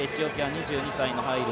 ２２歳のハイル。